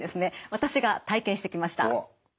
私が体験してきました。